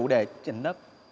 để chuyển đất